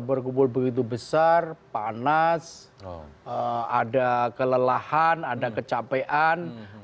berkumpul begitu besar panas ada kelelahan ada kecapean